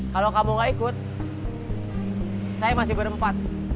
kalau kamu gak ikut saya masih berempat